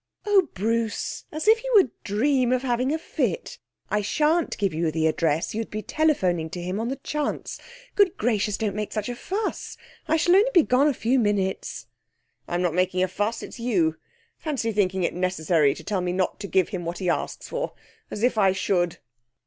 'Oh, Bruce! As if he would dream of having a fit! I shan't give you the address. You'd be telephoning to him on the chance. Good gracious, don't make such a fuss! I shall only be gone a few minutes.' 'I'm not making a fuss. It's you. Fancy thinking it necessary to tell me not to give him what he asks for! As if I should.'